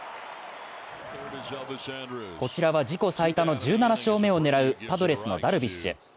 こちらは自己最多の１７勝目を狙うパドレスのダルビッシュ。